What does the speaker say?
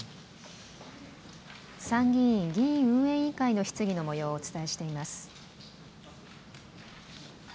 参議院議院運営委員会の質疑のもようをお伝えしています。